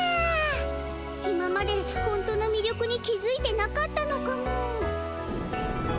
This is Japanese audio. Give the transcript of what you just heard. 今までほんとのみりょくに気づいてなかったのかも。